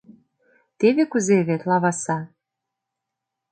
Теве кузе вет, лаваса...